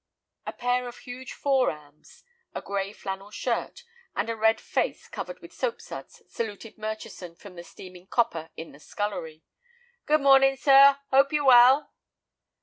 A pair of huge fore arms, a gray flannel shirt, and a red face covered with soap suds saluted Murchison from the steaming copper in the scullery. "Good mornin', sir; 'ope you're well."